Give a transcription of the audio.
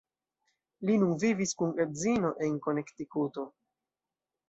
Li nun vivis kun edzino en Konektikuto.